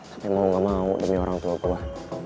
tapi mau gak mau demi orang tua gue